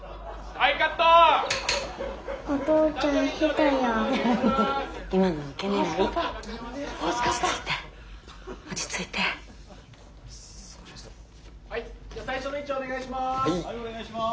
はいじゃあ最初の位置お願いします。